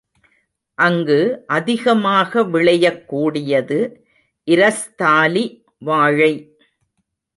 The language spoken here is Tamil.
அங்கு அதிகமாக விளையக் கூடியது இரஸ்தாலி வாழை.